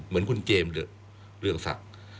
เหมือนคุณเจมส์เรืองศักดิ์